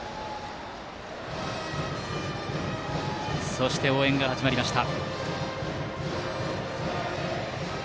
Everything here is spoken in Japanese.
そして、応援が始まりました。